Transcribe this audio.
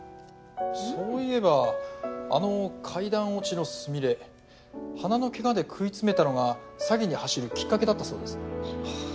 そういえばあの階段落ちのスミレ鼻のケガで食い詰めたのが詐欺に走るきっかけだったそうです。